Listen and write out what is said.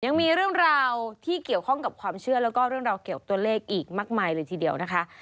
ยังมีเรื่องราวที่เกี่ยวข้องกับความเชื่อแล้วก็เรื่องราวเกี่ยวตัวเลขอีกมากมายเลยทีเดียวนะคะ